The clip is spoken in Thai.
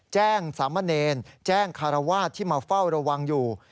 แจ้งสามเณรแจ้งคารวาสที่มาเฝ้าระวังอยู่